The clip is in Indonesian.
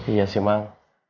iya sih bang